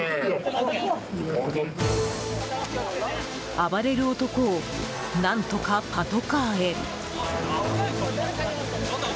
暴れる男を、何とかパトカーへ。